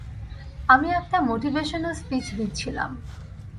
আমি একটা motivational speech দিচ্ছিলাম।